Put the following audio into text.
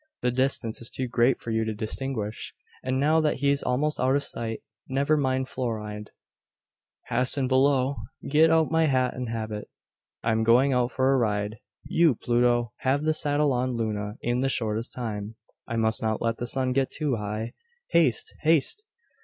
The distance is too great for you to distinguish; and now that he's almost out of sight Never mind, Florinde. Hasten below get out my hat and habit. I'm going out for a ride. You, Pluto! have the saddle on Luna in the shortest time. I must not let the sun get too high. Haste! haste!"